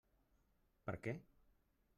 Per què.